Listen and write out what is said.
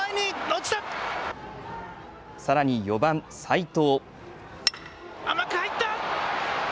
さらに４番・齋藤。